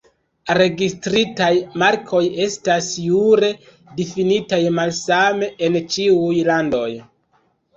Registritaj markoj estas jure difinitaj malsame en ĉiuj landoj.